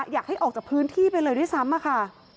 อยากให้ออกจากพื้นที่ไปเลยด้วยซ้ำอะค่ะ